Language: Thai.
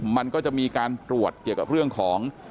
มันก็จะมีการตรวจเกี่ยวกับเรื่องของ